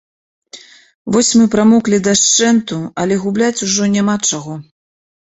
Вось мы прамоклі дашчэнту, але губляць ужо няма чаго.